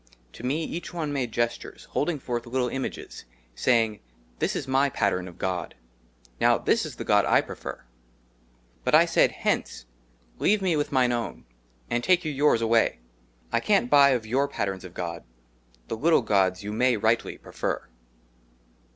TO ME EACH ONE MADE GESTURES, HOLDING FORTH LITTLE IMAGES, SAYING, " THIS IS MY PATTERN OF GOD. " NOW THIS IS THE GOD I PREFER." BUT I SAID, " HENCE !*' LEAVE ME WITH MINE OWN, AND TAKE YOU YOURS AWAY ;*' I can't buy of your PATTERNS OF GOD, " THE LITTLE GODS YOU MAY RIGHTLY PREFER."